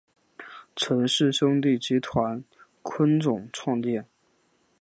陈氏兄弟集团昆仲创建。